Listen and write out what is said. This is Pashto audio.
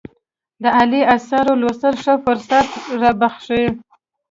د عالي آثارو لوستل ښه فرصت رابخښي.